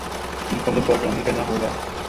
مکمل طور پر عمل کرنا ہوگا